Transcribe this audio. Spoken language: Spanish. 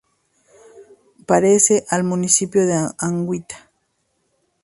Pertenece al municipio de Anguita.